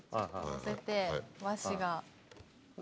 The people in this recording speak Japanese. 乗せて和紙が。